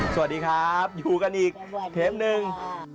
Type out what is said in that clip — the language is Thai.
สวัสดีครับอยู่กันอีกเทปหนึ่ง